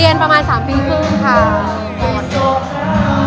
มีความฝันต้องมายะ